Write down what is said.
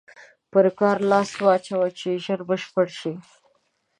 پر کار لاس واچوه چې ژر بشپړ شي.